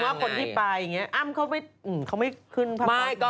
แต่หมายถึงว่าคนที่ไปอย่างเงี้ยอ้ำเขาไม่ขึ้นภาพร้อม